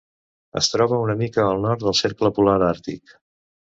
Es troba una mica al nord del cercle polar àrtic.